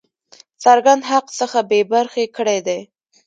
څرګند حق څخه بې برخي کړی دی.